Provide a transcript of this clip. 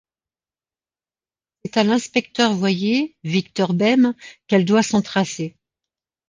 C'est à l'inspecteur-voyer Victor Besme, qu'elle doit son tracé.